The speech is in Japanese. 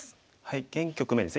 現局面ですね